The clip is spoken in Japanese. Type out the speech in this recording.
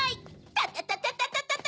タタタタタタ！